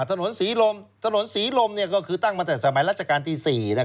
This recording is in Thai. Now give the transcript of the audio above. ถนนศรีลมถนนศรีลมก็คือตั้งมาแต่สมัยราชการที่๔